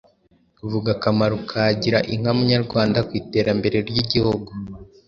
Vuga akamaro ka Gira inka Munyarwanda ku iterambere ry’Igihugu.